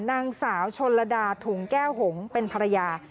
นางสาวชนระดาถุงแก้วหงษ์เป็นภรรยา